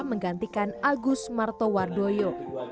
menggantikan agus martowardoyo